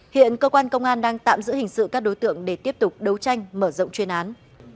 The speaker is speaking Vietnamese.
hiện cơ quan công an đang tạm giữ hình sự các đối tượng để tiếp tục đấu tranh mở rộng chuyên án